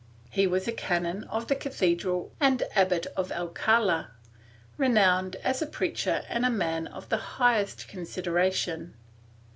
He was a canon of the Cathedral and Abbot of Alcala, renowned as a preacher and a man of the highest consideration.